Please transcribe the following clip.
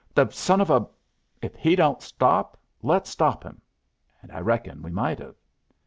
'The son of a ! If he don't stop, let's stop him.' And I reckon we might have.